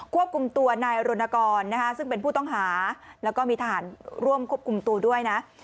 ควบคุมตัวนายรณกรซึ่งเป็นผู้ต้องหาแล้วก็มีทหารร่วมควบคุมตัวด้วยนะ